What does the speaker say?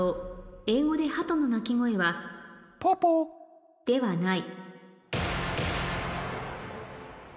「英語でハトの鳴き声はポポではない」